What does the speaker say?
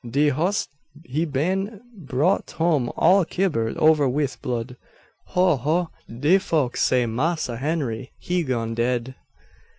De hoss he been brought home all kibbered over wif blood. Ho! ho! de folks say Massa Henry he gone dead."